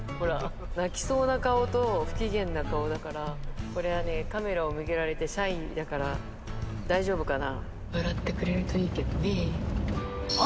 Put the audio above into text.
泣きそうな顔と不機嫌な顔だから、これはね、カメラを向けられてシャイだから、大丈夫かな。